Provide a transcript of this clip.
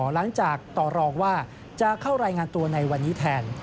ต่อรองว่าจะเข้ารายงานตัวในวันนี้แทน